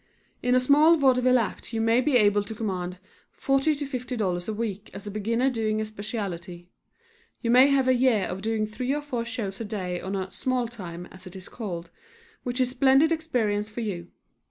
In a small vaudeville act you may be able to command $40 to $50 a week as a beginner doing a specialty. You may have a year of doing three or four shows a day on "small time," as it is called, which is splendid experience for you.